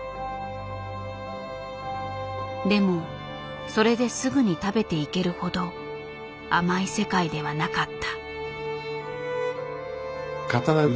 でもそれですぐに食べていけるほど甘い世界ではなかった。